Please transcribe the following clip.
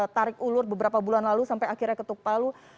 tarik ulur beberapa bulan lalu sampai akhirnya ketuk palu